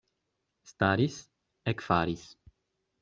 Staris, ekfaris.